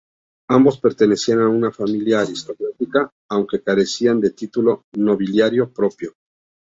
Ambos pertenecían a una familia aristocrática, aunque carecían de título nobiliario propio.